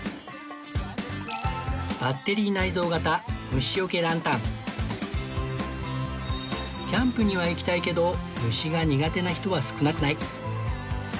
バッテリー内蔵型虫よけランタンキャンプには行きたいけど虫が苦手な人は少なくない